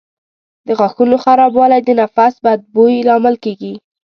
د غاښونو خرابوالی د نفس بد بوی لامل کېږي.